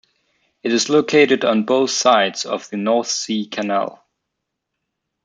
It is located on both sides of the North Sea Canal.